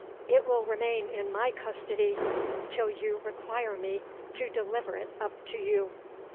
It will remain in my custody till you require me to deliver it up to you."